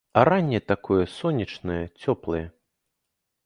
А ранне такое сонечнае, цёплае.